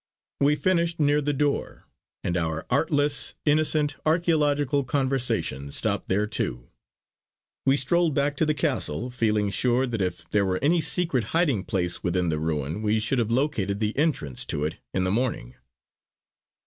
We finished near the door, and our artless, innocent, archæological conversation stopped there, too. We strolled back to the castle, feeling sure that if there were any secret hiding place within the ruin we should have located the entrance to it in the morning.